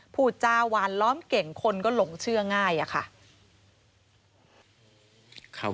พูดจาหวานล้อมเก่งคนก็หลงเชื่อง่ายอะค่ะ